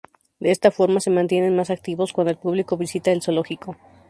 De esta forma se mantienen más activos cuando el público visita el zoológico.